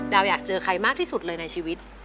อยากเจอใครมากที่สุดเลยในชีวิต